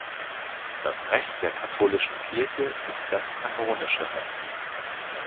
Das Recht der katholischen Kirche ist das kanonische Recht.